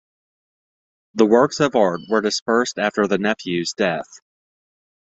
The works of art were dispersed after the nephews' deaths.